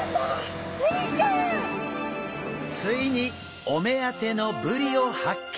ついにお目当てのブリを発見！